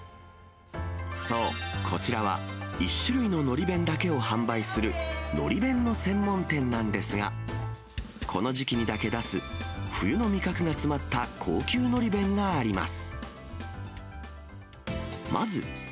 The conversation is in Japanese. そう、こちらは１種類の海苔弁だけを販売する、のり弁の専門店なんですが、この時期にだけ出す、冬の味覚が詰まった高級海苔弁があります。